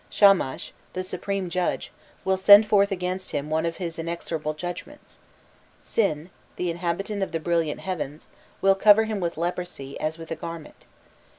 Shamas, the supreme judge, will send forth against him one of his inexorable judgments. Sin, the inhabitant of the brilliant heavens, will cover him with leprosy as with a garment.